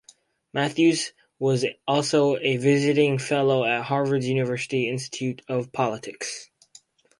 Matthews was also a visiting fellow at Harvard University's Institute of Politics.